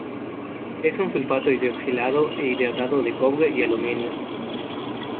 Es un sulfato hidroxilado e hidratado de cobre y aluminio.